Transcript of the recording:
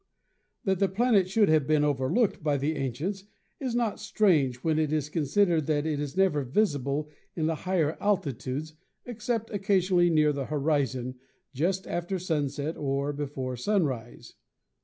That the planet should have been overlooked by the ancients is not strange when it is considered that it is never visible in the higher altitudes except occasionally near the horizon, just after sunset or before sunrise.